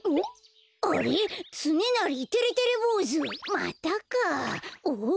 またかん？